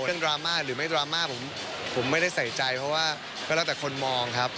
ดราม่าหรือไม่ดราม่าผมไม่ได้ใส่ใจเพราะว่าก็แล้วแต่คนมองครับ